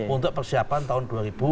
untuk persiapan tahun dua ribu sembilan belas